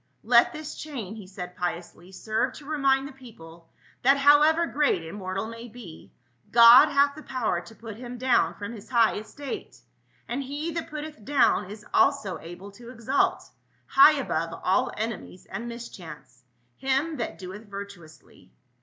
*" Let this chain," he said piously, " serve to remmd the people that however great a mortal may be, God hath the power to put him down from his high estate ; and he that putteth down is also able to exak high above all enemies and mischance, him that doeth vir tuously."